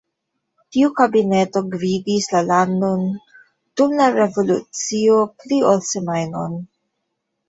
Tiu kabineto gvidis la landon dum la revolucio pli ol semajnon.